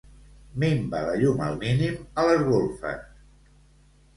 Minva la llum al mínim a les golfes.